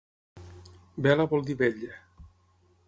Vela vol dir vetlla.